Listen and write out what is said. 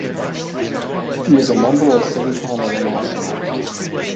He was a member of Civitan International.